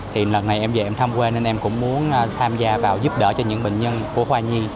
thì lần này em về em thăm quê nên em cũng muốn tham gia vào giúp đỡ cho những bệnh nhân của khoa nhi